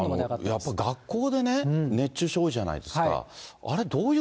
やっぱり学校でね、熱中症多いじゃないですか。